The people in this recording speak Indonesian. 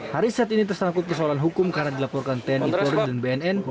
haris saat ini tersangkut persoalan hukum karena dilaporkan tni polri dan bnn